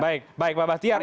baik baik pak bastiak